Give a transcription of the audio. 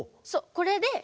これで。